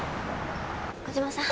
児島さん